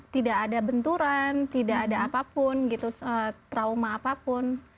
tidak ada benturan tidak ada apapun gitu trauma apapun